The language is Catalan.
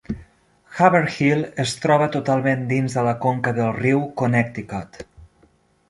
Haverhill es troba totalment dins de la conca del riu Connecticut.